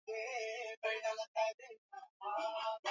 nzia tarehe ishirini na saba mwezi huu hadi tarehe